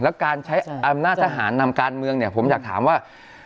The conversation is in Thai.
แล้วการใช้อำนาจทหารนำการเมืองเนี่ยผมอยากถามว่า